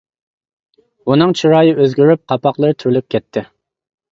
ئۇنىڭ چىرايى ئۆزگىرىپ، قاپاقلىرى تۈرۈلۈپ كەتتى.